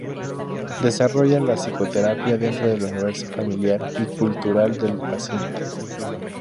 Desarrolla la psicoterapia dentro del universo familiar y cultural del paciente.